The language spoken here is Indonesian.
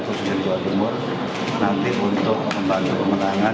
khususnya jawa timur nanti untuk membantu pemenangan